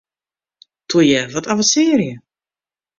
Toe ju, wat avensearje!